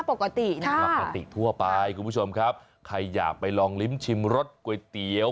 ปกตินะปกติทั่วไปคุณผู้ชมครับใครอยากไปลองลิ้มชิมรสก๋วยเตี๋ยว